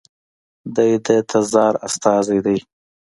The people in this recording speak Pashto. دی د تزار استازی دی.